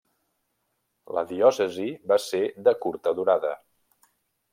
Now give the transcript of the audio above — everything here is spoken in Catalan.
La diòcesi va ser de curta durada.